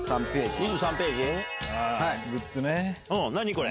これ。